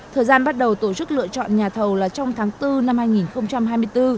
thời gian bắt đầu tổ chức lựa chọn nhà thầu là trong tháng bốn năm hai nghìn hai mươi bốn